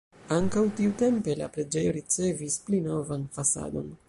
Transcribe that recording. Ankaŭ tiutempe la preĝejo ricevis pli novan fasadon.